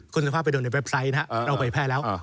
คุณสุภาพไปดูในเว็บไซต์เราไปแพ้แล้ว